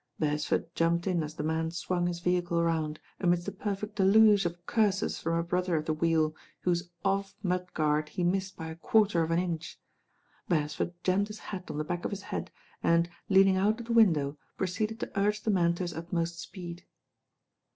Beresford jumped in as the man swung his vehi de round, amidst a perfect deluge of curses from a brother of the wheel, whose off mudguard he lU THE RAIN GIRL I I missed by a quarter of an inch. Beresford jammed his hat on the back of his head and, leaning out of the window, proceeded to urge the man to his ut most speed.